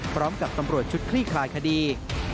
พร้อมกับตำรวจชุดคลี่คลายคดี